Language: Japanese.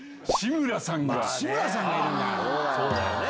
そうだよね。